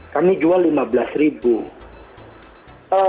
kami jual rp lima belas ribu